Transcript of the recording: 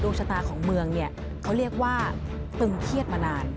ชะตาของเมืองเนี่ยเขาเรียกว่าตึงเครียดมานาน